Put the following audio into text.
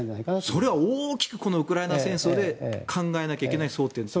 それは今回のウクライナ戦争で、大きく考えなきゃいけない争点と。